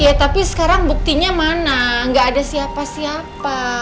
iya tapi sekarang buktinya mana nggak ada siapa siapa